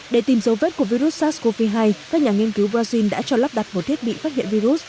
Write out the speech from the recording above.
để tìm dấu vết của virus sars cov hai các nhà nghiên cứu brazil đã cho lắp đặt một thiết bị phát hiện virus